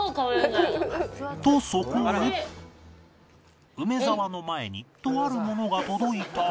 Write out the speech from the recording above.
とそこに梅沢の前にとあるものが届いたが